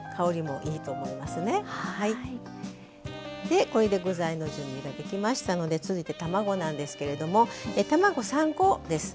でこれで具材の準備ができましたので続いて卵なんですけれども卵３コです。